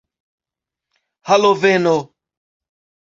haloveno